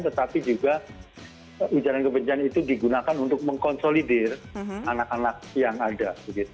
tetapi juga ujaran kebencian itu digunakan untuk mengkonsolidir anak anak yang ada